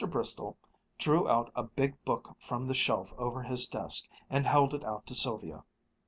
Bristol drew out a big book from the shelf over his desk and held it out to Sylvia.